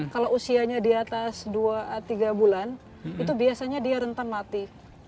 kalau usianya di atas dua tiga bulan itu biasanya dia rentan mati